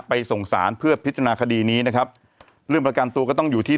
ส่งสารเพื่อพิจารณาคดีนี้นะครับเรื่องประกันตัวก็ต้องอยู่ที่